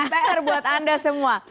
pr nih pr buat anda semua